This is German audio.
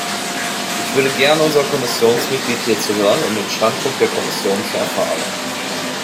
Ich würde gerne unser Kommissionsmitglied hierzu hören, um den Standpunkt der Kommission zu erfahren.